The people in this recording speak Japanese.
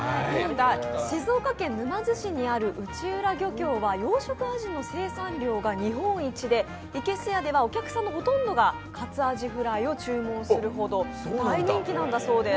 静岡県沼津市にある内浦漁港は養殖あじの生産量が日本一でいけすやではお客さんのほとんどが活あじふらいを注文するほど大人気なんだそうです。